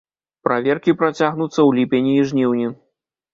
Праверкі працягнуцца ў ліпені і жніўні.